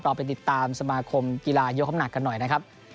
ไปติดตามสมาคมกีฬายกน้ำหนักกันหน่อยนะครับ